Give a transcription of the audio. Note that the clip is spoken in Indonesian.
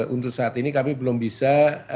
untuk saat ini kami belum bisa